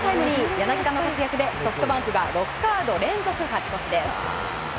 柳田の活躍で、ソフトバンクが６カード連続勝ち越しです。